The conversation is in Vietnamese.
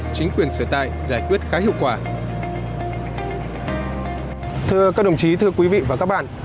thưa các đồng chí thưa quý vị và các bạn